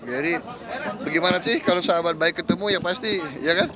jadi gimana sih kalau sahabat baik ketemu ya pasti ya kan